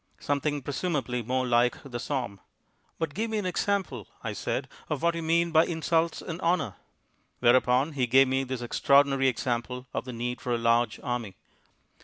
(Something, presumably, more like the Somme.) "But give me an example," I said, "of what you mean by `insults' and `honour'." Whereupon he gave me this extraordinary example of the need for a large army.